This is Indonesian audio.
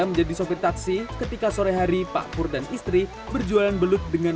menjadi sopir taksi ketika sore hari pak pur dan istri berjualan beluk dengan